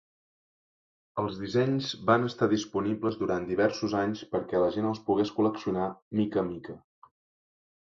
Els dissenys van estar disponibles durant diversos anys perquè la gent els pogués col·leccionar mica a mica.